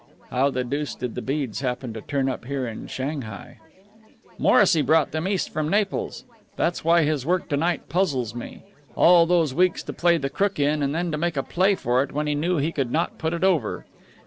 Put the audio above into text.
"How the deuce did the beads happen to turn up here in Shanghai?" "Morrissy brought them east from Naples. That's why his work to night puzzles me. All those weeks to play the crook in, and then to make a play for it when he knew he could not put it over!